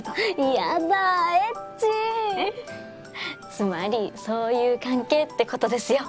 つまりそういう関係ってことですよ。